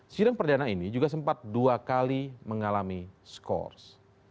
sidang perdana ini juga sempat dua kali mengalami skors